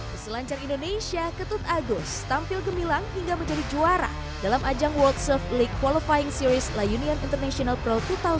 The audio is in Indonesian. peselancar indonesia ketut agus tampil gemilang hingga menjadi juara dalam ajang world surf league qualifying series la union international pro dua ribu dua puluh